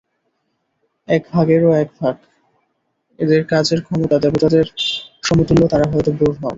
একভাগের ও একভাগ, এদের কাজের ক্ষমতা দেবতাদের সমতুল্য তারা হয়ত বোর হন।